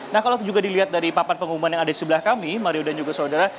nah kalau juga dilihat dari papan pengumuman yang ada di sebelah kami mario dan juga saudara